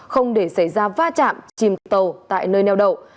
không để xảy ra va chạm chìm tàu tại nơi neo đậu